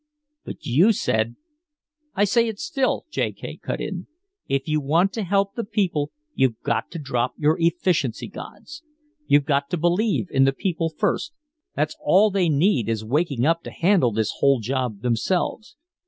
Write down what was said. But you said " "I say it still," J. K. cut in. "If you want to help the people you've got to drop your efficiency gods. You've got to believe in the people first that all they need is waking up to handle this whole job themselves.